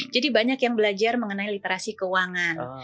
jadi banyak yang belajar mengenai literasi keuangan